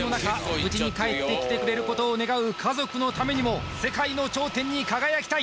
無事に帰ってきてくれることを願う家族のためにも世界の頂点に輝きたい！